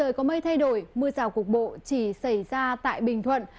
trời có mây thay đổi mưa rào cục bộ chỉ xảy ra tại bình thuận